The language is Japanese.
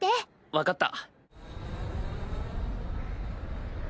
分かった。